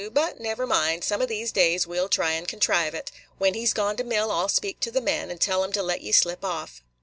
But never mind; some of these days, we 'll try and contrive it. When he 's gone to mill, I 'll speak to the men, and tell 'em to let ye slip off.